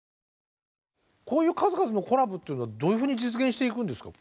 こういう数々のコラボっていうのはどういうふうに実現していくんですか？